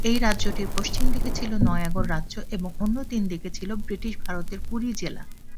এই রাজ্যটির পশ্চিম দিকে ছিল নয়াগড় রাজ্য এবং অন্য তিন দিকে ছিল ব্রিটিশ ভারতের পুরী জেলা।